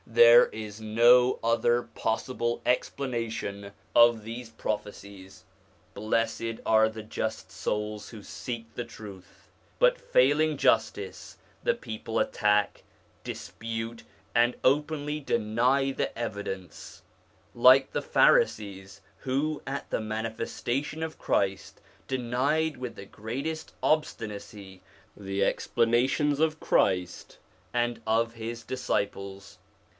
There is no other possible explanation of these prophecies. Blessed are the just souls who seek the truth. But failing justice, the people attack, dispute, and openly deny the evidence ; like the Pharisees who, at the manifestation of Christ, denied with the greatest obstinacy the explanations of Christ and of his disciples.